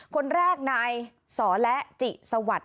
คนแรกนายสและจิสวท